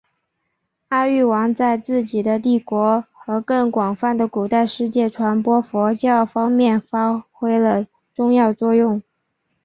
阿育王在自己的帝国和更广泛的古代世界传播佛教方面发挥了重要作用。